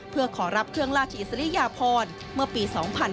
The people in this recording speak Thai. เพื่อขอรับเครื่องราชอิสริยพรเมื่อปี๒๕๕๙